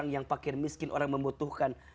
yang pakaian miskin orang membutuhkan